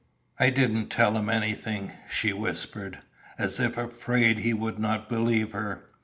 "I didn't tell him anything," she whispered, as if afraid he would not believe her.